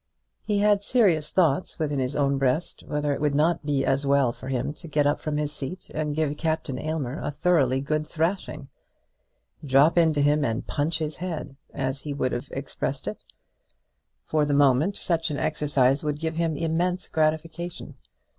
He had serious thoughts within his own breast whether it would not be as well for him to get up from his seat and give Captain Aylmer a thoroughly good thrashing; "Drop into him and punch his head," as he himself would have expressed it. For the moment such an exercise would give him immense gratification.